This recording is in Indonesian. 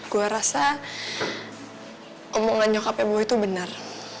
gua rasa omongan nyokapnya boy itu benar